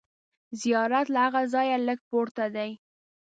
زیارت له هغه ځایه لږ پورته دی.